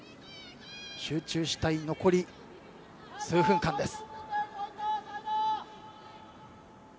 集中したい残り数分間です。